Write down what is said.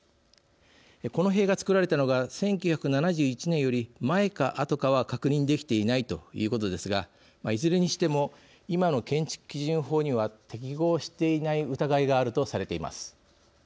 この塀が作られたのが１９７１年より前かあとかは確認できていないということですがいずれにしても今の建築基準法には適合していない疑いがあるとされています。